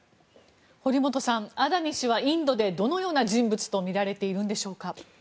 堀本さん、アダニ氏はインドでどのような人物とみられているんでしょうか。